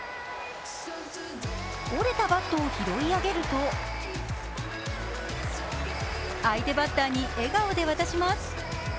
折れたバットを拾い上げると、相手バッターに笑顔で渡します。